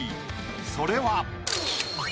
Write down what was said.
それは。